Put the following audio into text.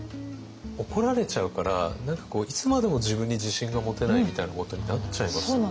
怒られちゃうから何かこういつまでも自分に自信が持てないみたいなことになっちゃいますよね。